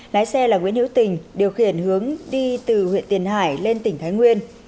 lái xe là nguyễn hiếu tình điều khiển hướng đi từ huyện tiền hải lên tỉnh thái nguyên